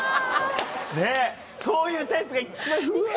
ねっそういうタイプが一番うわ！